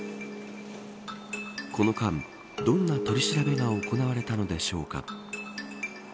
この間、どんな取り調べが行われたのでしょうか。